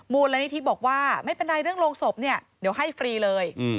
มูลนิธิบอกว่าไม่เป็นไรเรื่องโรงศพเนี่ยเดี๋ยวให้ฟรีเลย